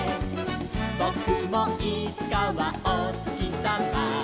「ぼくもいつかはおつきさま」